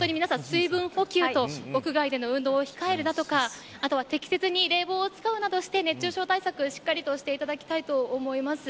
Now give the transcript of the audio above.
水分補給と屋外での運動を控えるとかあとは、適切に冷房を使うなどして、熱中症対策しっかりとしていただきたいと思います。